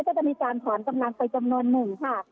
ก็จะมีการถอนกำลังไปจำนวนหนึ่งค่ะ